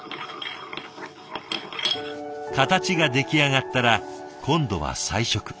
形が出来上がったら今度は彩色。